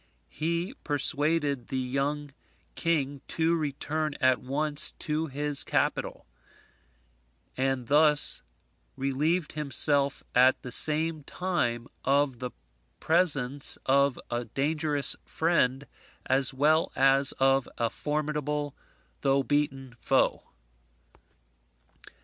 He persuaded the young king to return at once to his capital: and thus relieved himself at the same time of the presence of a dangerous friend, as well as of a formidable though beaten foe.